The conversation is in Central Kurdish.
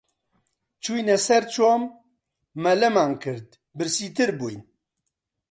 چووینە سەر چۆم، مەلەمان کرد، برسیتر بووین